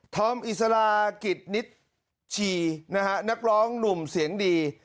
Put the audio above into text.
อมอิสลากิจนิชชีนะฮะนักร้องหนุ่มเสียงดี